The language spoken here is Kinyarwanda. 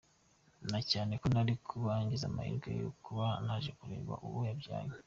Na cyane ko nari kuba ngize amahirwe yo kuba aje kureba uwo yabyaye”